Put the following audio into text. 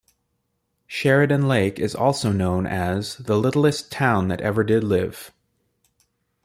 Sheridan Lake is also known as "The littlest town that ever did live".